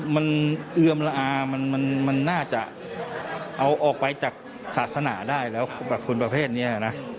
มันเอือมละอามันน่าจะเอาออกไปจากศาสนาได้แล้วกับคนประเภทนี้นะ